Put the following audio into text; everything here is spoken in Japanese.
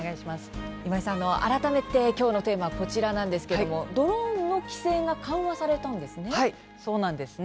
今井さん、改めて今日のテーマはこちらなんですけれどもドローンの規制が緩和されたんですね。